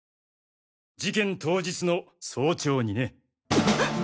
事件当日の早朝にね。